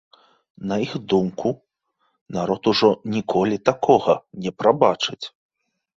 На іх думку, народ ужо ніколі такога не прабачыць.